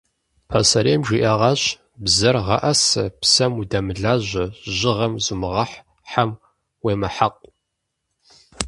Пасэрейм жиӏэгъащ: бзэр гъэӏэсэ, псэм удэмылажьэ, жьыгъэм зумыгъэхь, хьэм уемыхьэкъу.